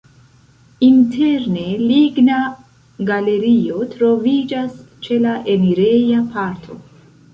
Interne ligna galerio troviĝas ĉe la enireja parto.